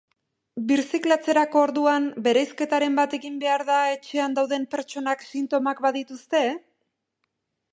Birziklatzerako orduan bereizketaren bat egin behar da etxean dauden pertsonak sintomak badituzte?